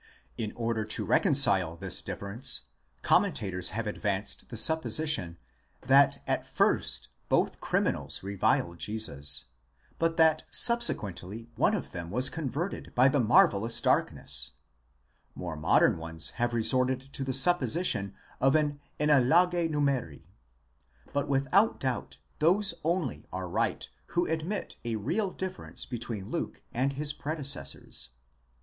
In order to reconcile this difference, commentators have advanced the sup position, that at first both criminals reviled Jesus, but that subsequently one of them was converted by the marvellous darkness ; 33 more modern ones have resorted to the supposition of an enal/age numeri : 38. but without doubt those only are right who admit a real difference between Luke and his pre decessors.